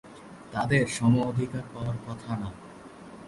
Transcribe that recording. তাঁদের সমঅধিকার পাওয়ার কথা না।